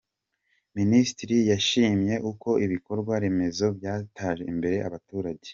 Minisitiri yashimye uko ibikorwa remezo byateje imbere abaturage